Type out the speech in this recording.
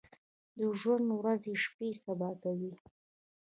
د ژوند ورځې شپې سبا کوي ۔